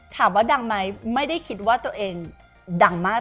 ถามว่าดังไหมไม่ได้คิดว่าตัวเองดังมาก